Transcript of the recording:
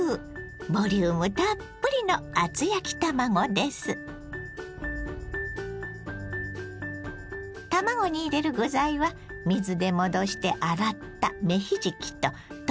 ボリュームたっぷりの卵に入れる具材は水で戻して洗った芽ひじきと鶏ひき肉。